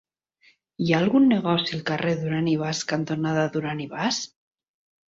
Hi ha algun negoci al carrer Duran i Bas cantonada Duran i Bas?